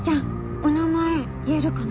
お名前言えるかな？